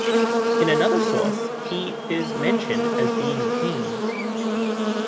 In another source he is mentioned as being hanged.